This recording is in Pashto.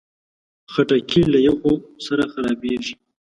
خټکی له یخو سره خرابېږي.